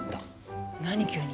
何急に？